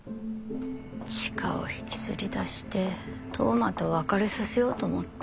チカを引きずり出して当麻と別れさせようと思った。